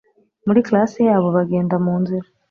muri class yabo bagenda munzira